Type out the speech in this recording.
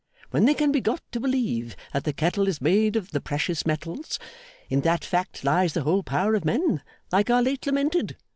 When they can be got to believe that the kettle is made of the precious metals, in that fact lies the whole power of men like our late lamented.